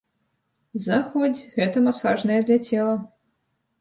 Заходзь, гэта масажная для цела.